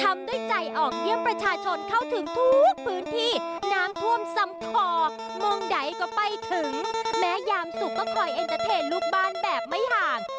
ไม่ถึงแม้ยามสุขก็คอยเอ็นเตอร์เทรนด์ลูกบ้านแบบไม่ห่าง